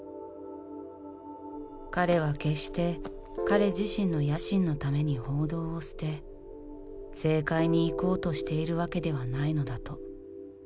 彼は決して彼自身の野心のために報道を捨て政界に行こうとしているわけではないのだと。